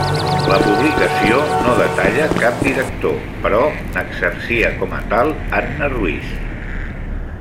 La publicació no detalla cap director, però n'exercia com a tal Anna Ruiz.